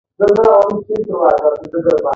د درجه لرونکو خط کشونو ډولونه د دې ډلې وسایل دي.